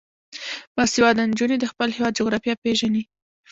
باسواده نجونې د خپل هیواد جغرافیه پیژني.